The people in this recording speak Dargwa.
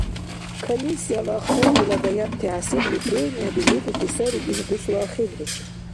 Комиссияла ахтардила баянти хӀясибли премияби лугути сари иш дусла ахирличир.